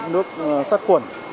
nước sát khuẩn